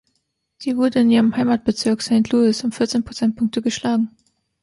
Sie wurde in ihrem Heimatbezirk Saint Louis um vierzehn Prozentpunkte geschlagen.